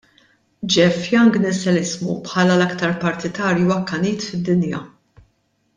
Jeff Young niżżel ismu bħala l-aktar partitarju akkanit fid-dinja.